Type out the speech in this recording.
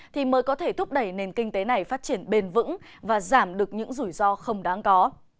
thì mới có thể thúc đẩy nền kinh tế này phát triển bền vững và giảm được những rủi ro không đáng có